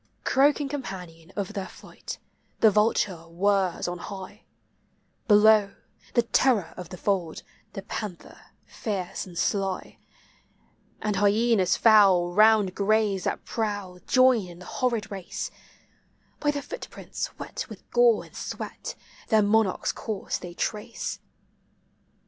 Croaking companion of their flight, the vulture whirs on high; Below, the terror of the fold, the panther fierce and sly, And hyenas foul, round graves thai prowl, join in the horrid race; By the footprints wet with gore and sweat, their monarch's course they trace.